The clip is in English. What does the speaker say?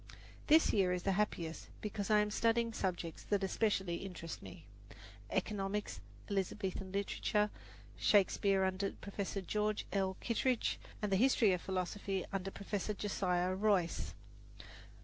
This year is the happiest because I am studying subjects that especially interest me, economics, Elizabethan literature, Shakespeare under Professor George L. Kittredge, and the History of Philosophy under Professor Josiah Royce.